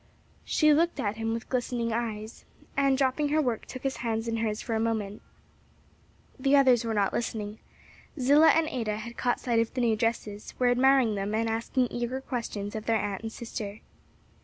She looked at him with glistening eyes, and dropping her work took his hands in hers for a moment. The others were not listening; Zillah and Ada had caught sight of the new dresses, were admiring them and asking eager questions of their aunt and sister.